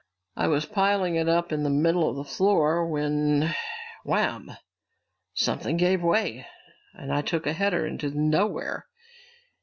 I was piling it up in the middle of the floor when wham something gave way and I took a header into nowhere!"